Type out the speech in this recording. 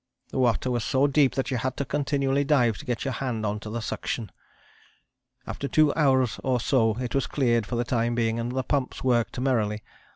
The water was so deep that you had to continually dive to get your hand on to the suction. After 2 hours or so it was cleared for the time being and the pumps worked merrily.